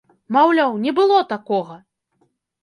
Маўляў, не было такога!